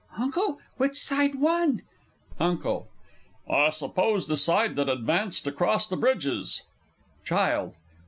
Uncle, which side won? UNCLE. I suppose the side that advanced across the bridges. CHILD.